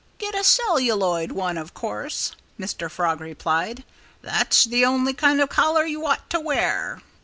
"Get a celluloid one, of course," Mr. Frog replied. "That's the only kind of collar you ought to wear."